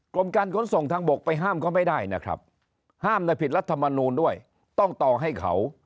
กรมการขนส่งทางบกไปห้ามเขาไม่ได้นะครับห้ามและผิดรัฐมนูลด้วยต้องต่อให้เขา